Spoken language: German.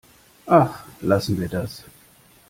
Ach, lassen wir das!